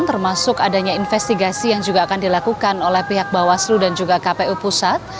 termasuk adanya investigasi yang juga akan dilakukan oleh pihak bawaslu dan juga kpu pusat